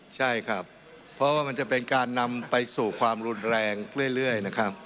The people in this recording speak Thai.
ใช่ครับเพราะว่ามันจะเป็นการนำไปสู่ความรุนแรงเรื่อยนะครับ